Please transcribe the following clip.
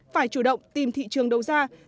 phải chủ động tìm thị trường